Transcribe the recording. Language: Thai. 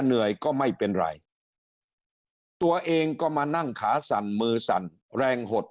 เหนื่อยก็ไม่เป็นไรตัวเองก็มานั่งขาสั่นมือสั่นแรงหด